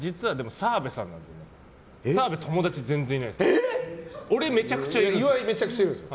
澤部、友達全然いないんですよ。